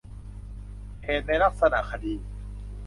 เหตุในลักษณะคดี